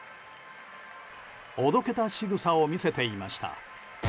おどけたしぐさを見せていました。